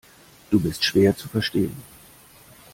Du bist schwer zu verstehen.